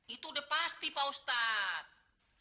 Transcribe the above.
itu udah pasti pak ustadz